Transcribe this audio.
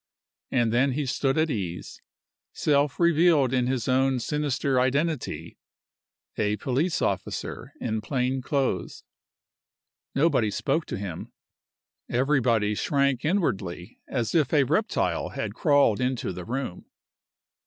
And then he stood at ease, self revealed in his own sinister identity a police officer in plain clothes. Nobody spoke to him. Everybody shrank inwardly as if a reptile had crawled into the room.